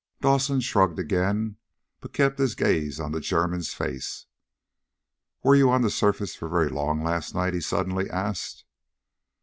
Dawson shrugged again but kept his gaze on the German's face. "Were you on the surface for very long last night?" he suddenly asked.